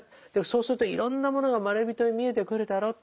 そうするといろんなものがまれびとに見えてくるだろう。